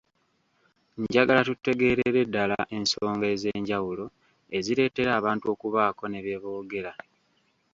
Njagala tutegeerere ddala ensonga ez’enjawulo ezireetera abantu okubaako ne bye boogera.